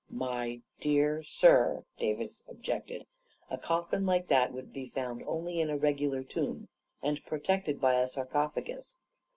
44 My dear sir," Davis objected, 44 a coffin like that would be found only in a regular tomb, and pro tected by a sarcophagus.